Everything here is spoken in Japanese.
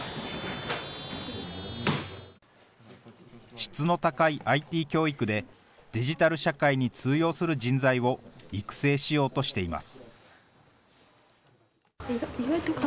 質の高いＩＴ教育で、デジタル社会に通用する人材を育成しようとしています。